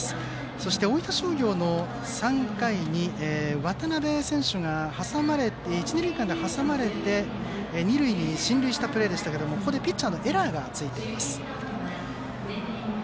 そして、大分商業の３回に渡邊選手が一、二塁間で挟まれて二塁に進塁したプレーでピッチャーのエラーがついています。